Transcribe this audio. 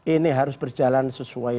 ini harus berjalan sesuai